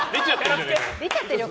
出ちゃってるよ